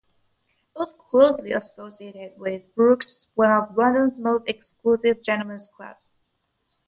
It was closely associated with Brooks's, one of London's most exclusive gentlemen's clubs.